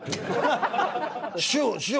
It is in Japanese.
「師匠師匠！